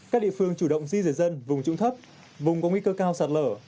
các địa phương chủ động di rời dân vùng trụng thấp vùng có nguy cơ cao sạt lở